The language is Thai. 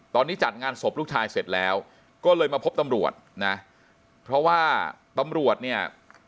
ตอนนี้จัดงานศพลูกชายเสร็จแล้วก็เลยมาพบตำรวจนะเพราะว่าตำรวจเนี่ย